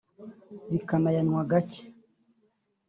zikanayanywa gake